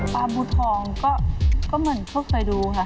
ปลาบูทองก็เหมือนเพิ่งเคยดูค่ะ